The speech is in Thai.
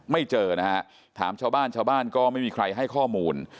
ไม่เจอนะฮะถามชาวบ้านชาวบ้านก็ไม่มีใครให้ข้อมูล